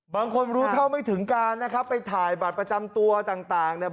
รู้เท่าไม่ถึงการนะครับไปถ่ายบัตรประจำตัวต่างเนี่ย